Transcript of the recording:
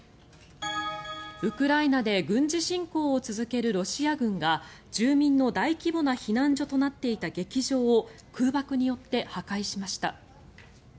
ウクライナで軍事侵攻を続けるロシア軍が住民の大規模な避難所となっていた劇場を空爆によって破壊しました。